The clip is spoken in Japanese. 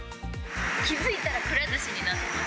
気付いたらくら寿司になってました。